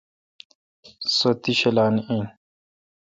سو تی شلا این۔